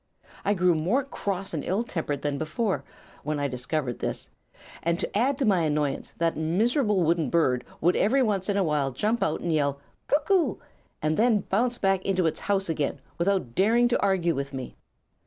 I grew more cross and ill tempered than before, when I discovered this, and to add to my annoyance that miserable wooden bird would every once in awhile jump out and yell 'Cuck oo!' and then bounce back into its house again, without daring to argue with me.